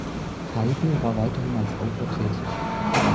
Feigl war weiterhin als Autor tätig.